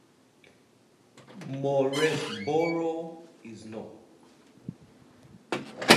Mooresboro is north.